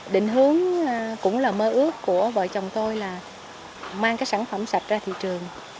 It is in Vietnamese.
định hướng cũng là mơ ước của vợ chồng tôi là mang cái sản phẩm sạch ra thị trường